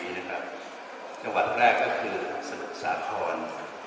จังหวัดแรกก็คือสมุกสาธารณ์